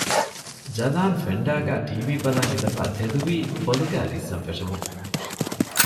ޖަލާން ފެންޑާގައި ޓީވީ ބަލަން އިނދެފައި ތެދުވީ ބޮލުގައި ރިއްސަން ފެށުމުން